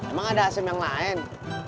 emang ada asem yang lain